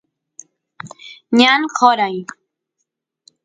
ñan qoray